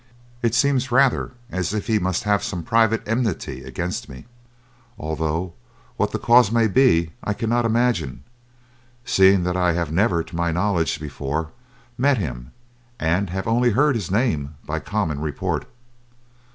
It seems rather as if he must have had some private enmity against me, although what the cause may be I cannot imagine, seeing that I have never, to my knowledge, before met him, and have only heard his name by common report.